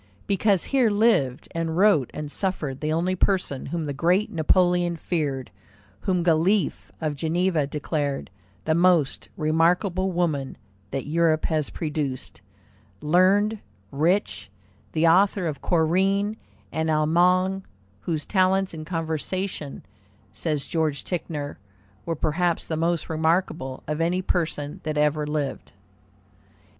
Because here lived and wrote and suffered the only person whom the great Napoleon feared, whom Galiffe, of Geneva, declared "the most remarkable woman that Europe has produced"; learned, rich, the author of Corinne and Allemagne, whose "talents in conversation," says George Ticknor, "were perhaps the most remarkable of any person that ever lived."